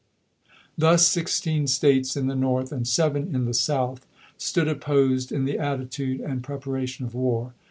Thus sixteen States in the North and seven in the South stood opposed in the attitude and prep aration of war.